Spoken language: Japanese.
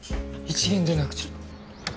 １限出なくちゃ。